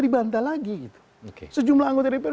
dibantah lagi sejumlah anggota dpr